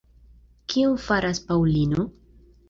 Kion faras Paŭlino?